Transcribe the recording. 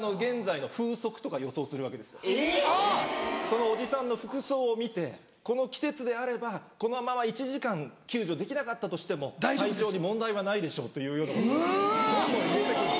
そのおじさんの服装を見て「この季節であればこのまま１時間救助できなかったとしても体調に問題はないでしょう」というようなことをどんどん入れてく。